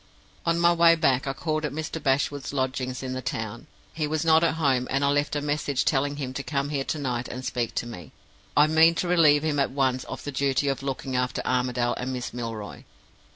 "On my way back, I called at Mr. Bashwood's lodgings in the town. He was not at home, and I left a message telling him to come here to night and speak to me. I mean to relieve him at once of the duty of looking after Armadale and Miss Milroy.